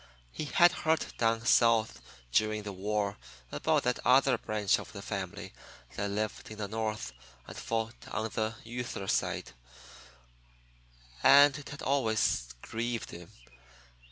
He had heard down South during the war about that other branch of the family that lived in the North and fought on "the yuther side," and it had always grieved him.